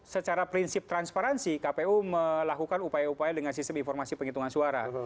secara prinsip transparansi kpu melakukan upaya upaya dengan sistem informasi penghitungan suara